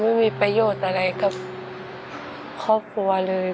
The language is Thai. ไม่มีประโยชน์อะไรกับครอบครัวเลย